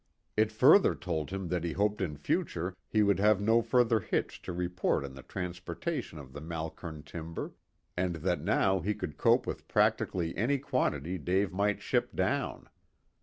It further told him that he hoped in future he would have no further hitch to report in the transportation of the Malkern timber, and that now he could cope with practically any quantity Dave might ship down.